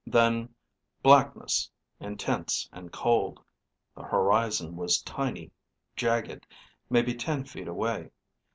Then blackness, intense and cold. The horizon was tiny, jagged, maybe ten feet away.